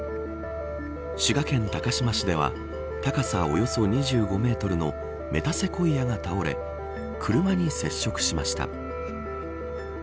滋賀県高島市では高さおよそ２５メートルのメタセコイアが倒れ車に接触しました。